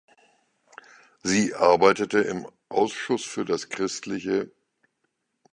Sie arbeitete im „Ausschuß für das christl.